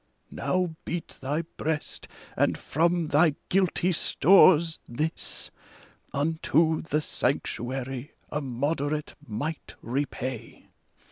Now beat thy breast, and from thy guilty stores, this Unto the Sanctuary a moderate mite repay